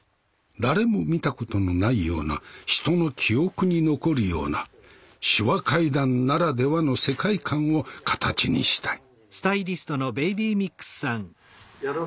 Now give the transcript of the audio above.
誰も見たことのないような人の記憶に残るような「手話怪談」ならではの世界観を形にしたい。